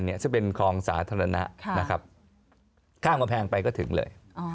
จะเป็นคลองสาธารณะนะครับข้ามกับแผ่นไปก็ถึงเลย